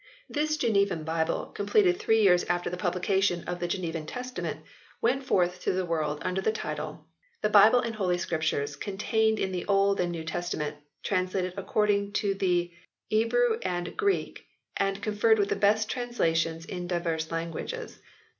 This Genevan Bible, completed three years after the publication of the Genevan Testament, went forth to the world under the title :" The Bible and Holy Scriptures Conteyned in the Olde and Newe Testament. Translated According to the Ebrue and Greke, and conferred with the best translations in divers langages.